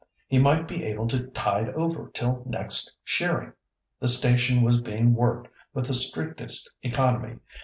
He might be able to tide over till next shearing. The station was being worked with the strictest economy.